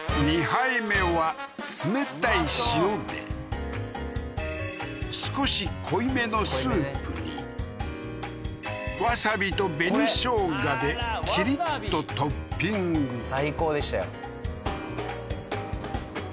２杯目は冷たい塩で少し濃いめのスープにわさびと紅生姜でキリッとトッピング最高でしたよ